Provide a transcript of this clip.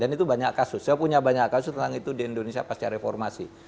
dan itu banyak kasus saya punya banyak kasus tentang itu di indonesia pasca reformasi